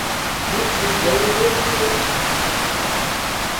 liquidando-se